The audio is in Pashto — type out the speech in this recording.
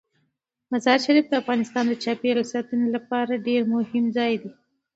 مزارشریف د افغانستان د چاپیریال ساتنې لپاره ډیر مهم ځای دی.